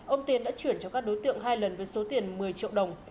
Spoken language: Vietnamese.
ông tiến đã chuyển cho các đối tượng hai lần với số tiền một mươi triệu đồng